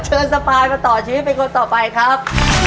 สปายมาต่อชีวิตเป็นคนต่อไปครับ